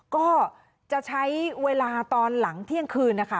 ก็จะใช้เวลาตอนหลังเที่ยงคืนนะคะ